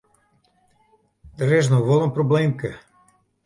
Der is noch wol in probleemke.